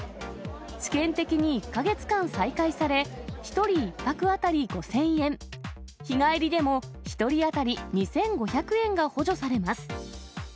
試験的に１か月間再開され、１人１泊当たり５０００円、日帰りでも１人当たり２５００円が補助されます。